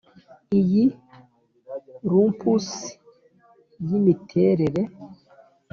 iyi rumpus yimiterere